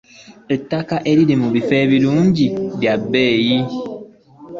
Ettaka eriri mu bifo ebirungi lya bbeeyi